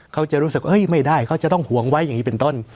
เขาจะรู้สึกไม่ได้เขาจะต้องห่วงไว้อย่างนี้เป็นต้น